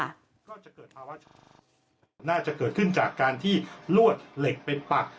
น่าจะเกิดขึ้นจากการที่รวดเหล็กเป็นปัก